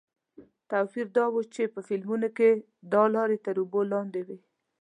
توپیر دا و چې په فلمونو کې دا لارې تر اوبو لاندې وې.